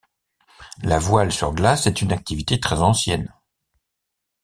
La voile sur glace est une activité très ancienne.